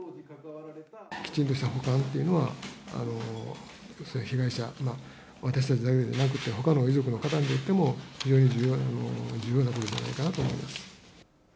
きちんとした保管っていうのは、被害者、私たちだけじゃなくて、ほかの遺族の方にとっても、非常に重要なことじゃないかなと思っています。